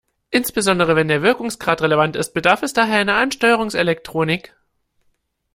Insbesondere wenn der Wirkungsgrad relevant ist, bedarf es daher einer Ansteuerungselektronik.